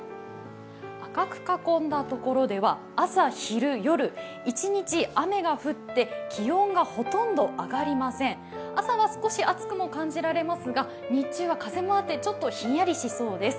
赤く囲ってあるところ、一日雨が降って、気温がほとんど上がりません朝は少し暑くも感じられますが、日中は風もあって、ちょっとひんやりしそうです。